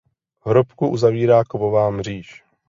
Hrobku uzavírá kovová mříž.